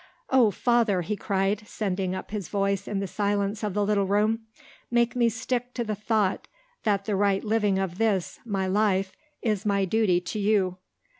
"Oh, Father!" he cried, sending up his voice in the silence of the little room, "make me stick to the thought that the right living of this, my life, is my duty to you."